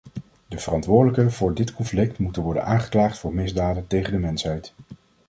De verantwoordelijken voor dit conflict moeten worden aangeklaagd voor misdaden tegen de mensheid.